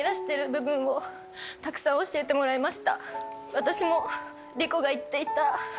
私も。